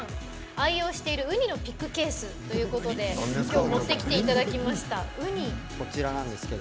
愛用しているウニのピックケースということで今日持ってきていただきました。